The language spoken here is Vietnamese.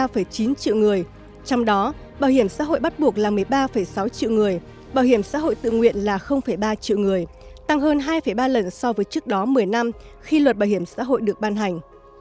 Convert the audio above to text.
trong chín bảo hiểm xã hội bắt buộc là một mươi ba sáu triệu người bảo hiểm xã hội tự nguyện là ba triệu người tăng hơn hai ba lần so với trước đó một mươi năm khi luật bảo hiểm xã hội được ban hành